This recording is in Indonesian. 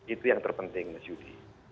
itu yang terpenting mas yudi